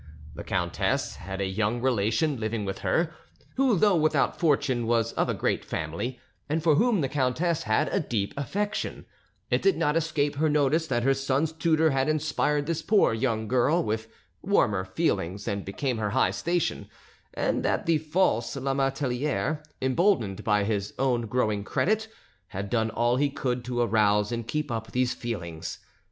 The countess had a young relation living with her, who though without fortune was of a great family, and for whom the countess had a deep affection; it did not escape her notice that her son's tutor had inspired this poor young girl with warmer feelings than became her high station, and that the false Lamartelliere, emboldened by his own growing credit, had done all he could to arouse and keep up these feelings.